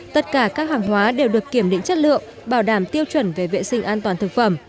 tất cả các hàng hóa đều được kiểm định chất lượng bảo đảm tiêu chuẩn về vệ sinh an toàn thực phẩm